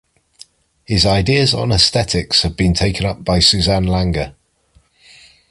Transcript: His ideas on aesthetics have been taken up by Suzanne Langer.